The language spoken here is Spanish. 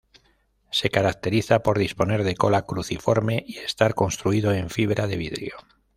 Se caracteriza por disponer de cola cruciforme y estar construido en fibra de vidrio.